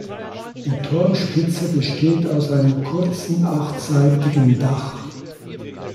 Die Turmspitze besteht aus einem kurzen achtseitigen Dach.